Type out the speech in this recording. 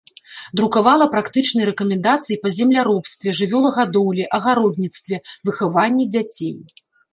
Друкавала практычныя рэкамендацыі па земляробстве, жывёлагадоўлі, агародніцтве, выхаванні дзяцей.